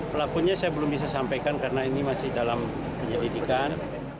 pelakunya saya belum bisa sampaikan karena ini masih dalam penyelidikan